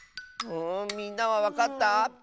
みんなはわかった？